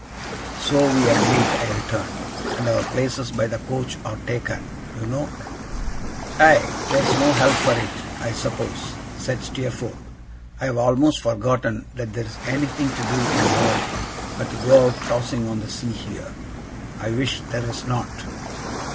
'So we agreed,' I returned. 'And our places by the coach are taken, you know.' 'Ay! there's no help for it, I suppose,' said Steerforth. 'I have almost forgotten that there is anything to do in the world but to go out tossing on the sea here. I wish there was not.